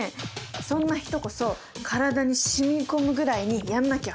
そんな人こそ体にしみこむぐらいにやんなきゃ。